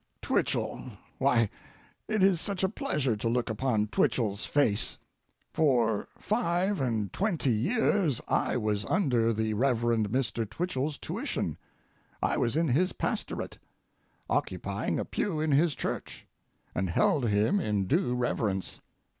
Twichell—why, it is such a pleasure to look upon Twichell's face! For five and twenty years I was under the Rev. Mr. Twichell's tuition, I was in his pastorate, occupying a pew in his church, and held him in due reverence.